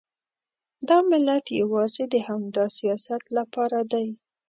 دا ملت یوازې د همدا سیاست لپاره دی.